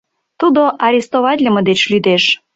Тудо арестоватлыме деч лӱдеш.